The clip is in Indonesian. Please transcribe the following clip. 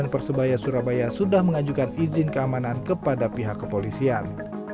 persebaya surabaya sudah mengajukan izin keamanan kepada pihak kepolisian